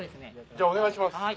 じゃあお願いします！